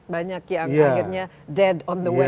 banyak yang kagetnya dead on the way